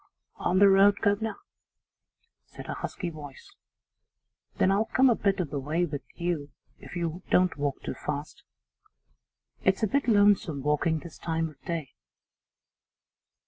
'On the road, guv'nor?' said a husky voice. 'Then I'll come a bit of the way with you if you don't walk too fast. It's a bit lonesome walking this time of day.